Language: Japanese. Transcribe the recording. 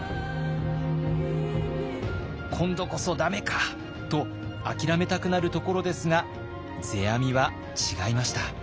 今度こそ駄目かと諦めたくなるところですが世阿弥は違いました。